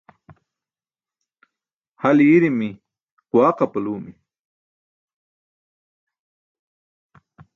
Hal i̇i̇ri̇mi̇, quwaq apalumi̇.